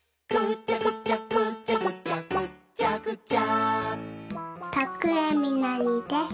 「ぐちゃぐちゃぐちゃぐちゃぐっちゃぐちゃ」